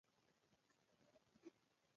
بخاري د خلکو د ګرم ساتلو لپاره مهمه ده.